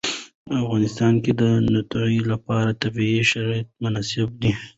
په افغانستان کې د تنوع لپاره طبیعي شرایط مناسب دي.